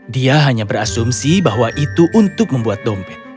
dia hanya berasumsi bahwa itu untuk membuat dompet